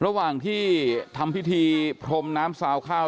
ระหว่างที่ทำพิธีพรมน้ำซาวข้าว